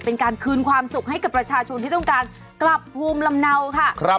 เป็นการคืนความสุขให้กับประชาชนที่ต้องการกลับภูมิลำเนาค่ะ